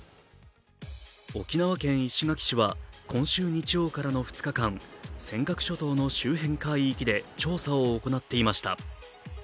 沖縄県石垣市は今週日曜からの２日間、尖閣諸島の周辺海域で調査を行っていました。